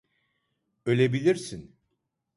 Ölebilirsin.